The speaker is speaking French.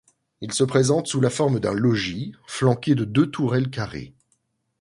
Il se présente sous la forme d'un logis flanqué de deux tourelles carrées.